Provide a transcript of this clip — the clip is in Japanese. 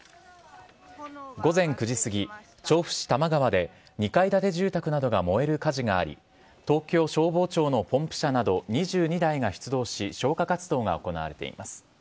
午前９時過ぎ、調布市多摩川で２階建て住宅などが燃える火事があり東京消防庁のポンプ車など２２台が出動し、消火活動が行われています。